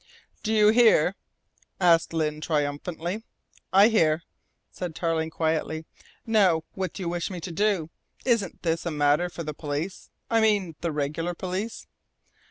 "Do you hear?" asked Lyne triumphantly. "I hear," said Tarling quietly. "Now what do you wish me to do? Isn't this a matter for the police? I mean the regular police."